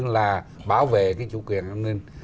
là bảo vệ cái chủ quyền an ninh